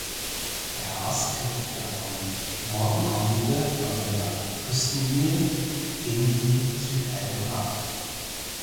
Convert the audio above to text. Bei Haast knickt der von Norden kommende von der Küstenlinie in die Südalpen ab.